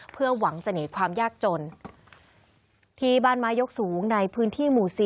เพื่อหวังจะหนีความยากจนที่บ้านไม้ยกสูงในพื้นที่หมู่สี่